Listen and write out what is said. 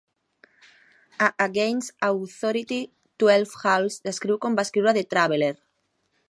A "Against Authority", Twelve Hawks descriu com va escriure "The Traveler".